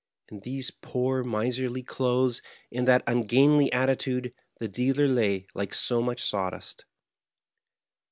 In these poor, miserly clothes, in that ungainly attitude, the dealer lay like so much saw dust.